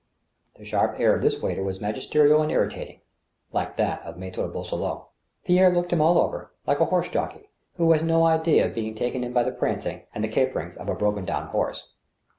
The sharp air of this waiter was magisterial and irritating, like that of Mattre Boisselot. Pierre looked him all over, like a horse jockey, who has no idea of being taken in by the prancings and the caperings of a brokra down horse.